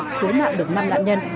tức cận cứu mạng được năm nạn nhân